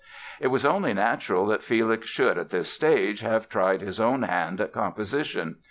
It was only natural that Felix should, at this stage, have tried his own hand at composition.